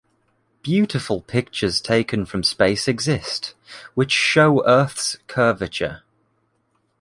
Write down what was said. Beautiful pictures taken from space exist, which show Earth’s curvature.